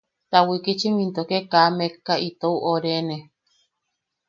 Ta wikichim into ke kaa mekka itou oʼorene.